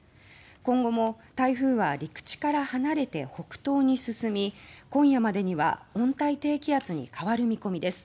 今後も台風は陸地から離れて北東に進み今夜までには温帯低気圧に変わる見込みです。